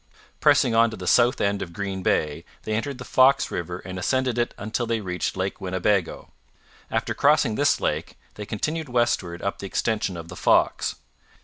Pressing on to the south end of Green Bay, they entered the Fox river and ascended it until they reached Lake Winnebago. After crossing this lake they continued westward up the extension of the Fox.